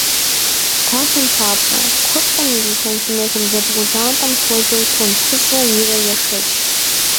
Псалъэм папщӏэ, куэпкъым и зы сантиметр зэбгъузэнатӏэм хуэзэу тонн тхущӏрэ ирэ ешэч!